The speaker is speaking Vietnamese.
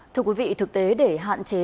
thưa quý vị thực tế để hạn chế